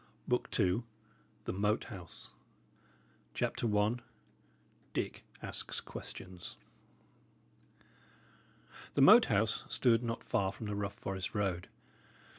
BOOK II THE MOAT HOUSE CHAPTER I DICK ASKS QUESTIONS The Moat House stood not far from the rough forest road.